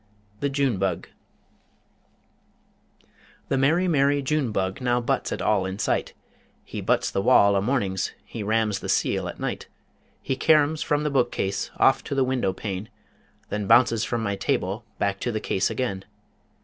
THE JUNE BUG The merry, merry June bug Now butts at all in sight. He butts the wall o' mornings, He rams the ceil at night. He caroms from the book case Off to the window pane, Then bounces from my table Back to the case again.